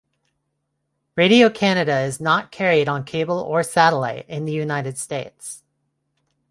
Radio-Canada is not carried on cable or satellite in the United States.